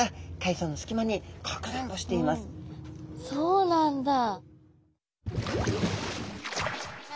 そうなんだ！